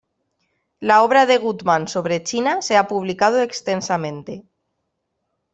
La obra de Gutmann sobre China se ha publicado extensamente.